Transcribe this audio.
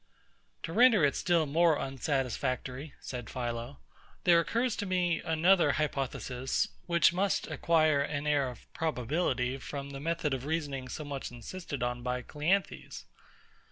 To render it still more unsatisfactory, said PHILO, there occurs to me another hypothesis, which must acquire an air of probability from the method of reasoning so much insisted on by CLEANTHES.